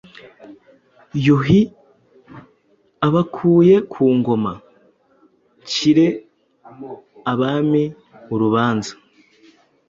Yuhi abakuye ku ngoma. Ncire abami urubanza,